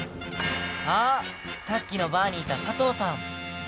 あ、さっきのバーにいた佐藤さん！